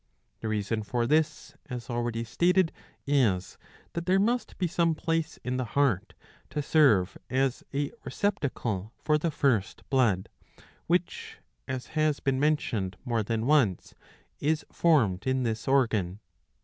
The reason for this, as already stated, is that there must be some place in the heart to serve as a receptacle for the first blood ; which, as has been mentioned more than once, is formed in this organ.